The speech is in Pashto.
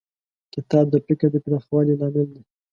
کتاب د فکر د پراخوالي لامل دی.